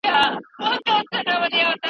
شاه امان الله خان د سرتېرو لپاره مثال جوړ کړ.